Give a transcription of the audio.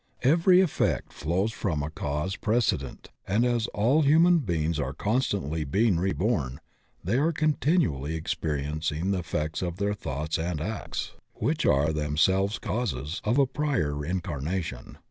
Every effect flows from a cause precedent, and as all beings are con stantly being reborn they are continually experiencing the effects of their thoughts and acts (which are them KARMA HAS THREE FIELDS OF ACTION 9S selves causes) of a prior incarnation.